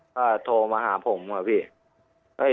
ก็โทรมาหาผมอะพี่